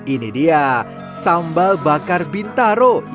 ini dia sambal bakar bintaro